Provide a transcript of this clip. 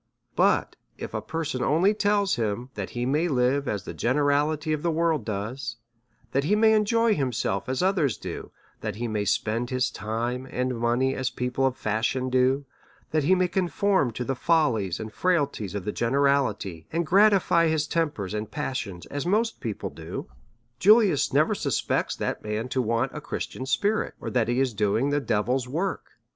But, if a person only tells him that he may live as the generality of the world does, that he may enjoy himself as others do, that he may spend his time and money as people of fashion do, that he may conform to the follies and frailties of the generality, and gratify his temper and passions as most people do, Julius never suspects that man to want a Christian spirit, or that he is doing the devil's work.